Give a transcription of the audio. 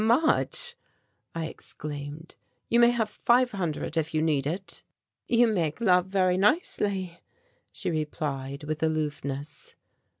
"Much!" I exclaimed; "you may have five hundred if you need it." "You make love very nicely," she replied with aloofness.